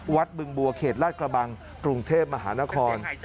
บึงบัวเขตลาดกระบังกรุงเทพมหานคร